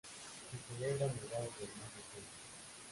Se celebra a mediados del mes de junio.